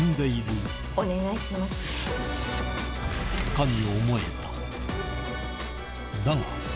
かに思えただが！